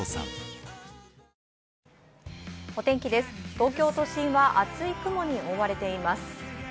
東京都心は厚い雲に覆われています。